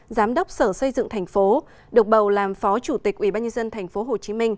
giám đốc sở xây dựng tp được bầu làm phó chủ tịch ủy ban nhân dân tp hcm